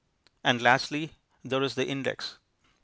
And lastly there is the index.